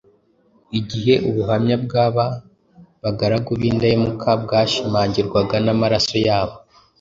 Igihe ubuhamya bw’aba bagaragu b’indahemuka bwashimangirwaga n’amaraso yabo